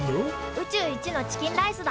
宇宙一のチキンライスだ！